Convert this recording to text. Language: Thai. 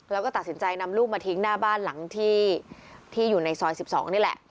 แล้วก็ตัดสินใจนำลูกมาทิ้งหน้าบ้านหลังที่อยู่ในซอย๑๒นี่แหละ